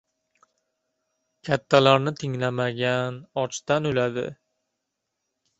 • Kattalarni tinglamagan ochdan o‘ladi.